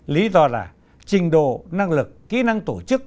lý do là trình độ năng lực kỹ năng tổ chức